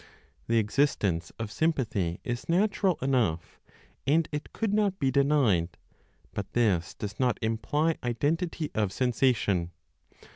The existence of sympathy is natural enough, and it could not be denied; but this does not imply identity of sensation.